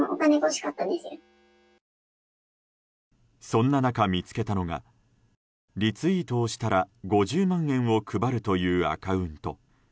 そんな中見つけたのがリツイートをしたら５０万円を配るというアカウント。